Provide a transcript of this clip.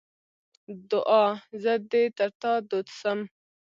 دوعا: زه دې تر تا دود سم.